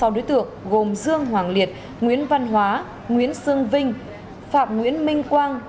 sáu đối tượng gồm dương hoàng liệt nguyễn văn hóa nguyễn sương vinh phạm nguyễn minh quang